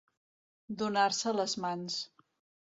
Donar-se les mans.